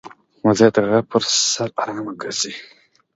وزې د غره پر سر آرامه ګرځي